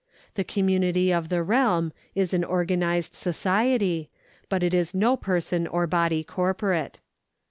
The community of the realm is an organised society, but it is no person or body corporate.